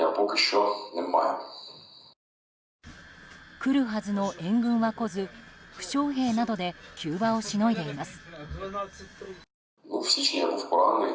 来るはずの援軍は来ず負傷兵などで急場をしのいでいます。